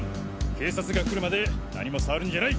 警察が来るまで何も触るんじゃない。